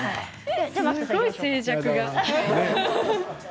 すごい静寂が。